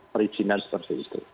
perizinan seperti itu